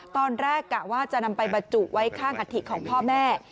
กะว่าจะนำไปบรรจุไว้ข้างอัฐิของพ่อแม่